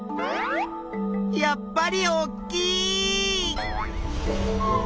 やっぱりおっきいっ！